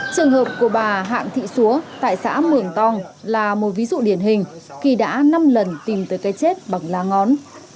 trường hợp của bà hạng thị xúa tại xã mường tong là một ví dụ điển hình khi đã năm lần tìm tới cái chết bằng lá ngón